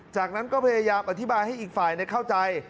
จากนั้นก็พยายามอธิบายให้อีกฝ่ายเข้าใจ